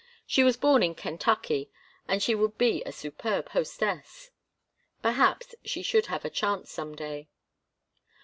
She was born in Kentucky and she would be a superb hostess. Perhaps she should have a chance some day.